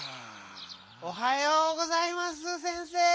おはようございます先生！